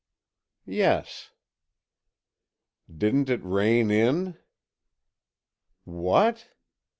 "Yes." "Didn't it rain in?" "What?"